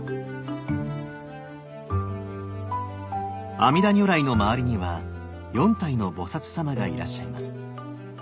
阿弥陀如来の周りには４体の菩様がいらっしゃいます。